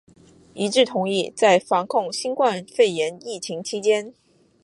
一致同意在防控新冠肺炎疫情期间